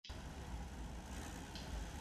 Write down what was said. ایا مصنوعي ځیرکتیا د فکر خپلواکي نه کمزورې کوي؟